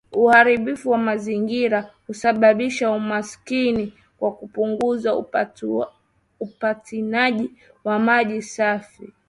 Uharibifu wa mazingira husababisha umaskini kwa kupunguza upatikanaji wa maji safi